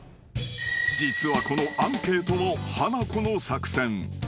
［実はこのアンケートもハナコの作戦］